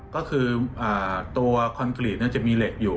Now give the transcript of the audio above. ก็คือตัวคอนกรีตจะมีเหล็กอยู่